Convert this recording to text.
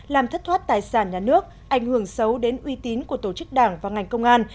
làm thất thoát tài sản nhà nước ảnh hưởng xấu đến uy tín của tổ chức đảng và ngành công an